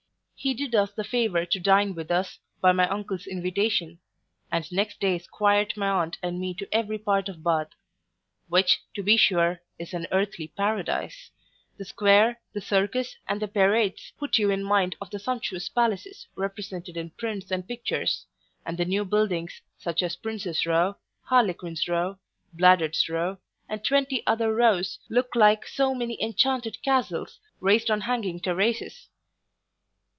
He did us the favour to dine with us, by my uncle's invitation; and next day squired my aunt and me to every part of Bath; which, to be sure, is an earthly paradise. The Square, the Circus, and the Parades, put you in mind of the sumptuous palaces represented in prints and pictures; and the new buildings, such as Princes row, Harlequin's row, Bladud's row, and twenty other rows, look like so many enchanted castles, raised on hanging terraces.